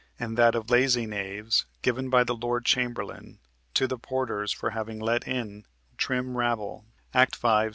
and that of "lazy knaves" given by the Lord Chamberlain to the porters for having let in a "trim rabble" (Act 5, Sc.